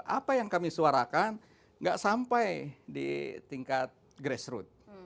apa yang kami suarakan nggak sampai di tingkat grassroot